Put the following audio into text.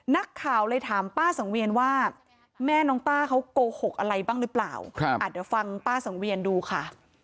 นักข่าวเลยถามป้าสังเวียนว่าแม่น้องต้าเขาโกหกอะไรบ้างหรือเปล่าเดี๋ยวฟังป้าสังเวียนดูค่ะ